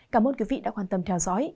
cảm ơn quý vị đã quan tâm theo dõi